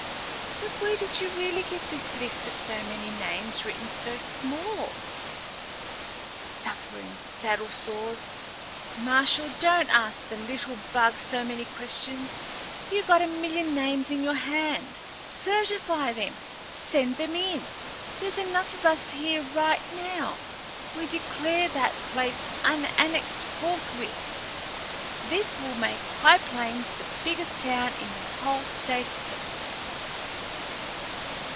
"But where did you really get this list of so many names written so small?" "Suffering saddle sores, Marshal, don't ask the little bug so many questions. You got a million names in your hand. Certify them! Send them in! There's enough of us here right now. We declare that place annexed forthwith. This will make High Plains the biggest town in the whole state of Texas."